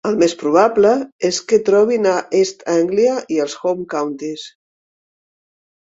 El més probable és que es trobin a East Anglia i els Home Counties.